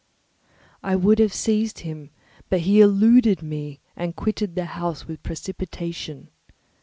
I would have seized him, but he eluded me and quitted the house with precipitation.